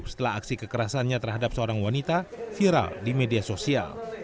setelah aksi kekerasannya terhadap seorang wanita viral di media sosial